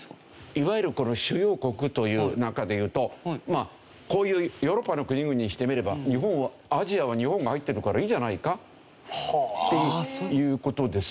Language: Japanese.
いわゆるこの主要国という中でいうとまあこういうヨーロッパの国々にしてみればアジアは日本が入ってるからいいじゃないかっていう事ですよね。